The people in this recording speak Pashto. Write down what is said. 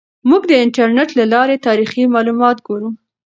موږ د انټرنیټ له لارې تاریخي معلومات ګورو.